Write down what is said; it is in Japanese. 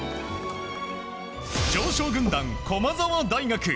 常勝軍団・駒澤大学。